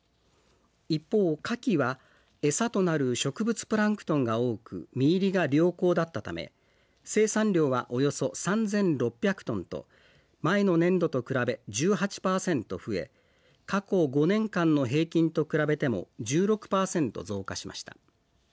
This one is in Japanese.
一方、カキは餌となる植物プランクトンが多く身入りが良好だったため生産量はおよそ３６００トンと前の年度と比べ１８％増え過去５年間の平均と比べても１６％増加しました。